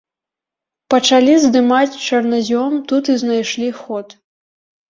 Пачалі здымаць чарназём, тут і знайшлі ход.